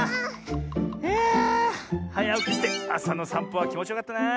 いやはやおきしてあさのさんぽはきもちよかったな。